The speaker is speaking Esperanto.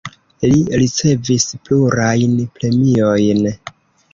Li ricevis plurajn premiojn.